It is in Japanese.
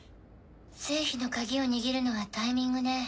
成否のカギを握るのはタイミングね。